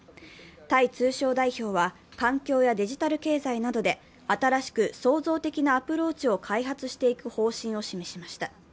タイ通商代表は、環境やデジタル経済などで新しく創造的なアプローチを開発していく方針を示しました。